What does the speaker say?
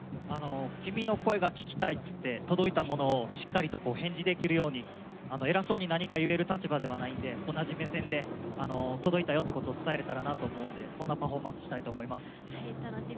「君の声が聴きたい」って届いたものにしっかりと返事できるように偉そうに何か言えるような立場じゃないんで同じ目線で届いたよってことを伝えられたらいいなと思うのでそんなパフォーマンスをしたいと思います。